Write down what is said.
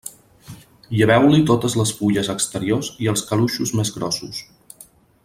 Lleveu-li totes les fulles exteriors i els caluixos més grossos.